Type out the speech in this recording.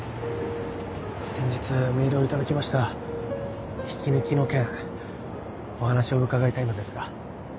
先日メールを頂きました引き抜きの件お話を伺いたいのですが。